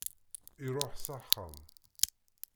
Iruḥ s axxam.